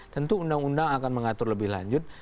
tentu undang undang akan mengatur lebih lanjut